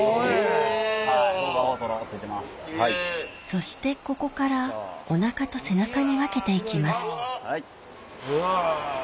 そしてここからお腹と背中に分けて行きますうわ。